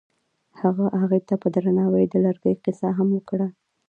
هغه هغې ته په درناوي د لرګی کیسه هم وکړه.